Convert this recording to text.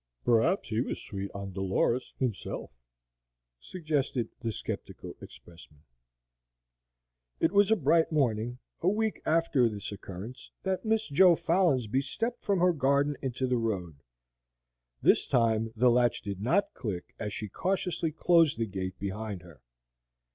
"P'r'aps he was sweet on Dolores himself," suggested the sceptical expressman. It was a bright morning, a week after this occurrence, that Miss Jo Folinsbee stepped from her garden into the road. This time the latch did not click as she cautiously closed the gate behind her.